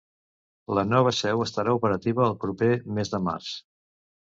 La nova seu estarà operativa el proper mes de març.